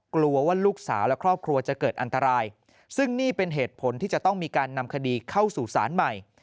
กลัวจะเกิดอันตรายซึ่งนี่เป็นเหตุผลที่จะต้องมีการนำคดีเข้าสู่ศาลใหม่